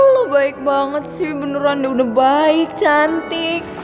oh baik banget sih beneran udah baik cantik